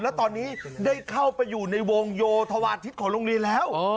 แล้วตอนนี้ได้เข้าไปอยู่ในวงโยธวาทิศของโรงเรียนแล้ว